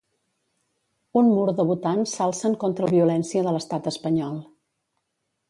Un mur de votants s'alcen contra la violència de l'estat espanyol.